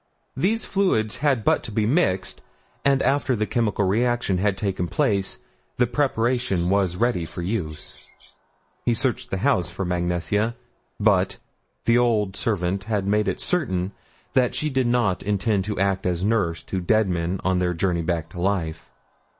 These fluids had but to be mixed, and after the chemical reaction had taken place the preparation was ready for use. He searched the house for Mag Nesia, but the old servant had made it certain that she did not intend to act as nurse to dead men on their journey back to life.